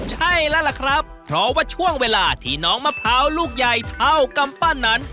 ใช่แล้วล่ะครับเพราะว่าช่วงเวลาที่น้องมะพร้าวลูกใหญ่เท่ากำปั้นนั้น